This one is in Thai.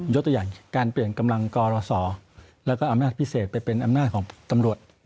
ตัวอย่างการเปลี่ยนกำลังกรศแล้วก็อำนาจพิเศษไปเป็นอำนาจของตำรวจ